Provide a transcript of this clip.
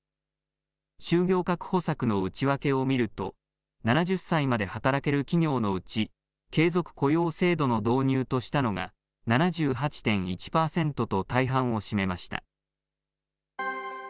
就業確保策の内訳を見ると、７０歳まで働ける企業のうち、継続雇用制度の導入としたのが７８．１％と大半を占めました。